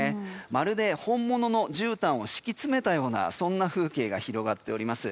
まるで本物のじゅうたんを敷き詰めたようなそんな風景が広がっております。